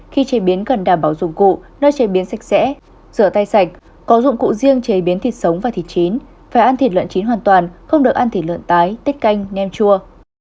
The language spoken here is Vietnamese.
khi chế biến cần đảm bảo dụng cụ nơi chế biến sạch sẽ rửa tay sạch có dụng cụ riêng chế biến thịt sống và thịt chín phải ăn thịt lợn chín hoàn toàn không được ăn thịt lợn tái tích canh nem chua